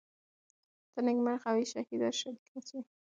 ته نیکمرغه وې شهیده شریک نه سوې